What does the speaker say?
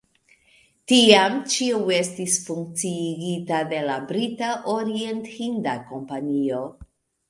Tiam ĉio estis funkciigita de la Brita Orienthinda Kompanio.